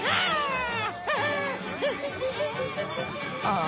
ああ。